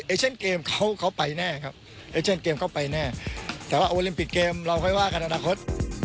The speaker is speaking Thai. เช่นเกมเขาไปแน่ครับเอเชนเกมเข้าไปแน่แต่ว่าโอลิมปิกเกมเราค่อยว่ากันอนาคต